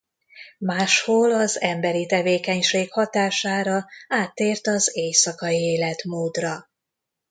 Máshol az emberi tevékenység hatására áttért az éjszakai életmódra.